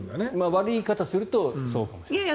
悪い言い方をするとそうかもしれない。